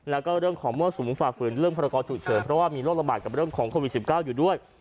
แล้วก็เรื่องของเมื่อสูงฝากฝืนเรื่องพนักรอบถูกเฉินเพราะว่ามีโรคระบาดกับเรื่องของโควิดสิบเก้าอยู่ด้วย